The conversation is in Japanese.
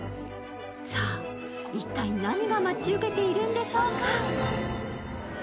さぁ、一体何が待ち受けているんでしょうか。